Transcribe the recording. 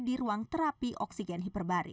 di ruang terapi oksigen hiperbari